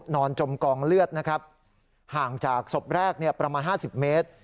สองเลือดนะครับห่างจากศพแรกเนี่ยประมาณห้าสิบเมตร